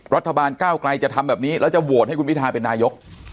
ก้าวไกลจะทำแบบนี้แล้วจะโหวตให้คุณพิทาเป็นนายก